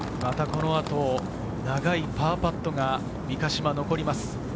長いパーパットが三ヶ島、残ります。